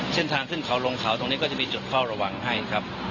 เส้นทางขึ้นเขาลงเขาตรงนี้ก็จะมีจุดเฝ้าระวังให้นะครับ